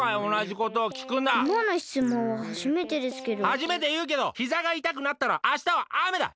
はじめていうけどひざがいたくなったらあしたはあめだ！